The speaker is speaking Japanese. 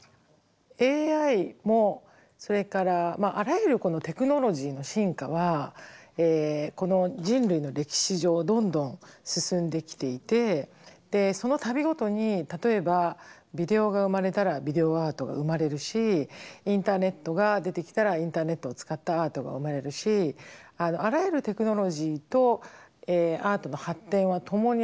ＡＩもそれからあらゆるテクノロジーの進化はこの人類の歴史上どんどん進んできていてその度ごとに例えばビデオが生まれたらビデオアートが生まれるしインターネットが出てきたらインターネットを使ったアートが生まれるしあらゆるテクノロジーとアートの発展は共にあるんですね。